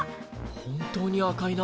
本当に赤いな。